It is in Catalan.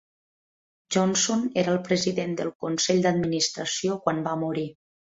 Johnson era el president del consell d'administració quan va morir.